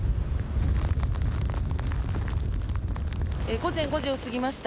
午前５時を過ぎました。